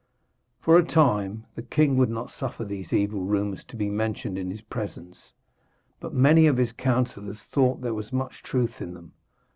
For a time the king would not suffer these evil rumours to be mentioned in his presence, but many of his counsellors thought there was much truth in them.